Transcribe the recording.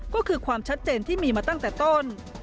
ก็คือความชัดเจนที่มีมาตั้งแต่ต้น